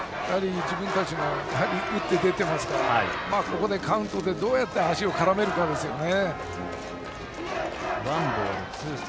自分たちが打って、出てますからこのカウントでどう足を絡めるかですね。